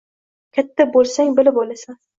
“Katta bo‘lsang – bilib olasan”